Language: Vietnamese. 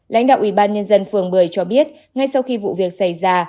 lãnh đạo ủy ban nhân dân phường bưởi cho biết ngay sau khi vụ việc xảy ra